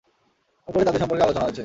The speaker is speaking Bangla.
উপরে তাদের সম্পর্কে আলোচনা হয়েছে।